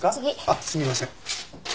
あっすみません。